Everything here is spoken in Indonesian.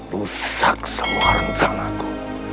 rusak semua rencana aku